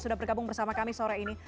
sudah bergabung bersama kami sore ini